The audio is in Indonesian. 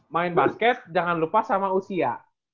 main basket jangan lupa sama usia